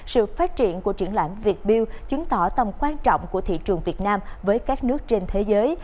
sự phát triển của triển lãm việt build chứng tỏ tầm quan trọng của thị trường việt nam với các nước trên thế giới